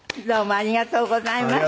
ありがとうございます。